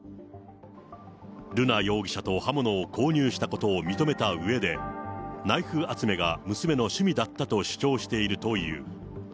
瑠奈容疑者と刃物を購入したことを認めたうえで、ナイフ集めが娘の趣味だったと主張しているという。